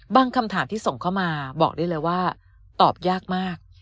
คำถามที่ส่งเข้ามาบอกได้เลยว่าตอบยากมาก